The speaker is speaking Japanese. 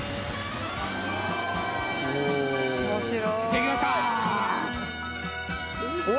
「できました！」